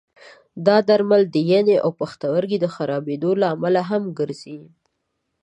دا درمل د ینې او پښتورګي د خرابېدو لامل هم ګرځي.